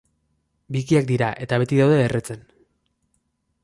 Bikiak dira, eta beti daude erretzen.